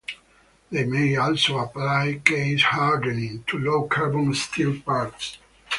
They may also apply case hardening to low carbon steel parts.